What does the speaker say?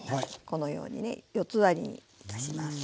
このようにね四つ割りにいたします。